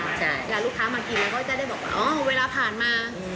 แล้วลูกค้ามากินแล้วก็จะได้บอกว่าเวลาผ่านมา